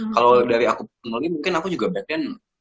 kalau dari aku penuhi mungkin aku juga back then